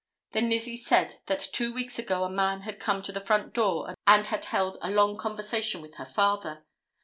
Then Lizzie said that two weeks ago a man had come to the front door and had held a long conversation with her father.